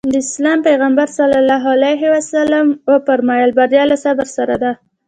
د اسلام پيغمبر ص وفرمايل بريا له صبر سره ده.